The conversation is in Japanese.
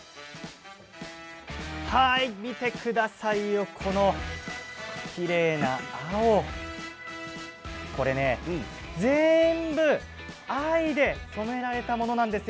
見てください、きれいな青これ全部藍で染められたものなんです。